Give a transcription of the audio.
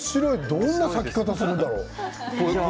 どんな咲き方するんだろう。